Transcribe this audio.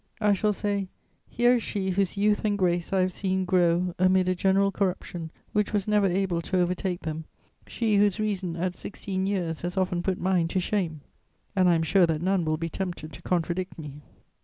I shall say, 'Here is she whose youth and grace I have seen grow amid a general corruption which was never able to overtake them, she whose reason at sixteen years has often put mine to shame!' and I am sure that none will be tempted to contradict me."